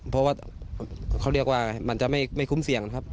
เพราะว่าเขาเรียกว่ามันจะไม่คุ้มเสี่ยงนะครับ